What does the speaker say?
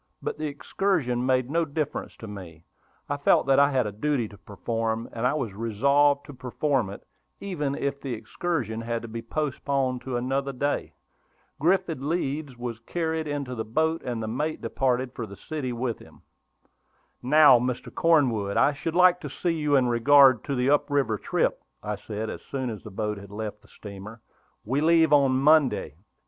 But the excursion made no difference to me; I felt that I had a duty to perform, and I was resolved to perform it, even if the excursion had to be postponed to another day. Griffin Leeds was carried into the boat, and the mate departed for the city with him. "Now, Mr. Cornwood, I should like to see you in regard to the up river trip," I said, as soon as the boat had left the steamer. "We leave on Monday."